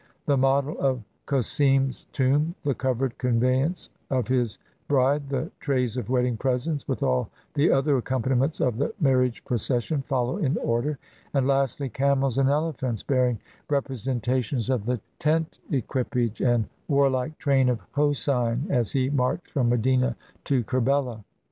The model of Cossim's tomb; the covered conveyance of his bride; the trays of wedding presents, with all the other accompaniments of the marriage pro cession, follow in order; and lastly, camels and ele phants, bearing representations of the tent equipage and warlike train of Hosein, as he marched from Medina to Kerbela.